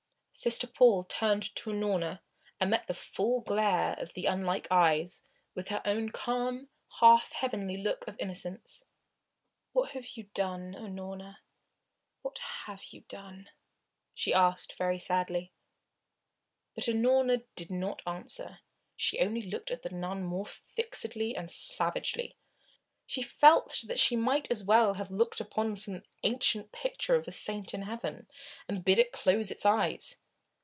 Sister Paul turned to Unorna and met the full glare of the unlike eyes, with her own calm, half heavenly look of innocence. "What have you done, Unorna? What have you done?" she asked very sadly. But Unorna did not answer. She only looked at the nun more fixedly and savagely. She felt that she might as well have looked upon some ancient picture of a saint in heaven, and bid it close its eyes.